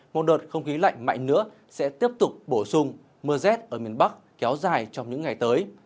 một đợt không khí lạnh mạnh nữa sẽ tiếp tục bổ sung mưa rét ở miền bắc kéo dài trong những ngày tới